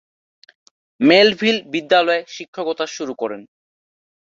Melville বিদ্যালয়ে শিক্ষকতা শুরু করেন।